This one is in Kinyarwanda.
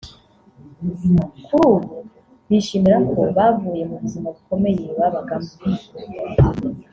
kuri ubu bishimira ko bavuye mu buzima bukomeye babagamo